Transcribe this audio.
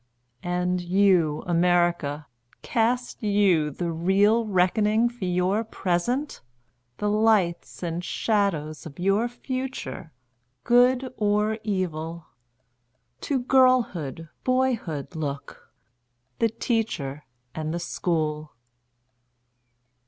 And you, America, Cast you the real reckoning for your present? The lights and shadows of your future—good or evil? To girlhood, boyhood look—the Teacher and the School.